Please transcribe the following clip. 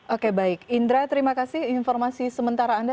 oke baik indra terima kasih informasi sementara anda